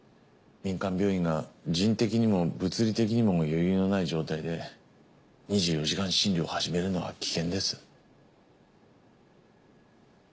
民間病院が人的にも物理的にも余裕のない状態で２４時間診療を始めるのは危険です。